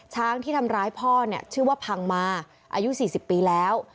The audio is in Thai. ช้างที่ทำร้ายพ่อเนี่ยชื่อว่าพังมาอายุ๔๐ปีแล้ว